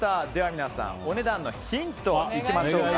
皆さん、お値段のヒントいきましょうか。